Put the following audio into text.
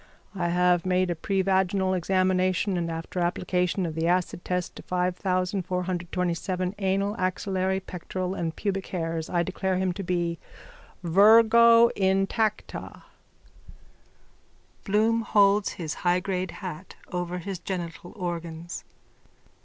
I have made a pervaginal examination and, after application of the acid test to 5427 anal, axillary, pectoral and pubic hairs, I declare him to be virgo intacta. _(Bloom holds his high grade hat over his genital organs.)